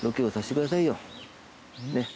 ねっ。